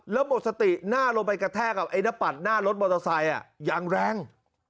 แล้วหมดสติหน้าลงไปกระแทกกับนับผลิต่อน้านรถมอเตอร์ไซอย่างแรง